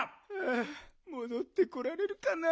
あもどってこられるかな？